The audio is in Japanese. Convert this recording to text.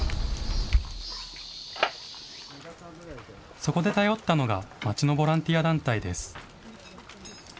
そこで頼ったのが町のボランティア団体です。